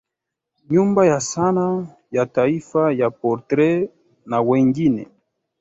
Nyumba ya sanaa ya Taifa ya Portrait na wengine